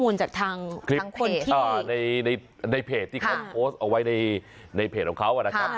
อย่างที่เขาออกไว้ในเผจของเขา